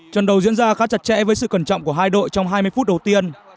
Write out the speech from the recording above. trận đấu diễn ra khá chặt chẽ với sự cẩn trọng của hai đội trong hai mươi phút đầu tiên